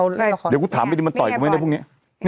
เดี๋ยวพูดถามไปดิมันต่อยกันไหมพรุ่งนี้